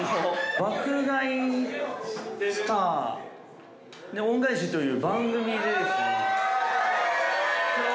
『爆買い☆スター恩返し』という番組でですね。